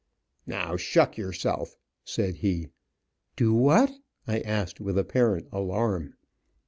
"Now, shuck yourself," said he. "Do what? I asked, with apparent alarm.